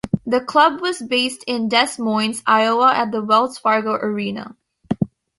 The club was based in Des Moines, Iowa at the Wells Fargo Arena.